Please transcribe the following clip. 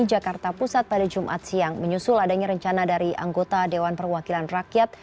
jakarta pusat pada jumat siang menyusul adanya rencana dari anggota dewan perwakilan rakyat